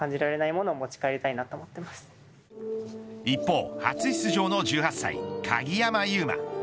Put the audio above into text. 一方初出場の１８歳鍵山優真。